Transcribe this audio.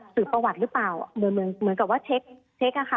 สื่อประวัติหรือเปล่าเหมือนกับว่าเช็ค